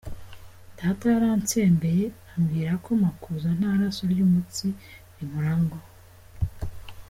Data yarantsembeye ambwira ko Makuza nta raso ry’umutsi rimurangwamo.